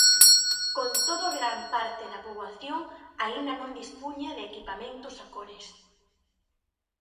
Con todo gran parte da poboación aínda non dispuña de equipamentos a cores.